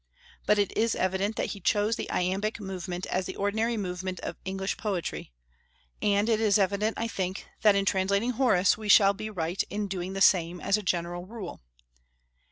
But it is evident that he chose the iambic movement as the ordinary movement of English poetry; and it is evident, I think, that in translating Horace we shall be right in doing the same, as a general rule.